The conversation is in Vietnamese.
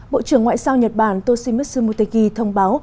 bộ trưởng ngoại giao nhật bản toshimitsu motegi thông báo